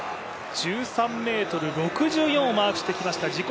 １３ｍ６４をマークしてきました自己